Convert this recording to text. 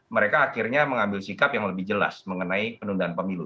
mereka akhirnya mengambil sikap yang lebih jelas mengenai penundaan pemilu